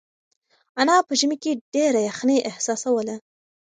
انا په ژمي کې ډېره یخنۍ احساسوله.